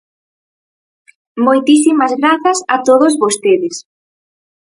Moitísimas grazas a todos vostedes.